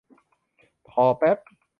คอแป๊บ